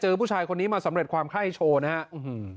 ผู้ชายคนนี้มาสำเร็จความไข้โชว์นะครับ